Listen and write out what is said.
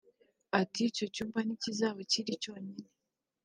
Ati “Icyo cyumba ntikizaba kiri cyonyine